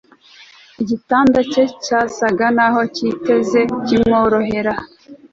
igitanda cye cyasaga naho kitigeze kimworohera